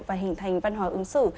và hình thành văn hóa ứng xử